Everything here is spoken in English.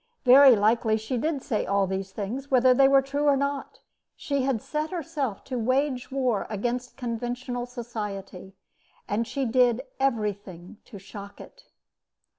Very likely she did say all these things, whether they were true or not. She had set herself to wage war against conventional society, and she did everything to shock it.